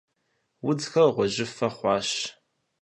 Удзхэр гъуэжьыфэ хъуащ.